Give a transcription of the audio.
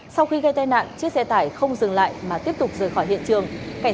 sau khi gây tai nạn chiếc xe tải không dừng lại mà tiếp tục rời khỏi hiện trường